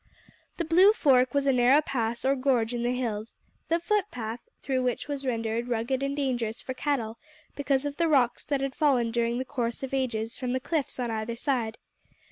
The Blue Fork was a narrow pass or gorge in the hills, the footpath through which was rendered rugged and dangerous for cattle because of the rocks that had fallen during the course of ages from the cliffs on either side.